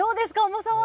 重さは。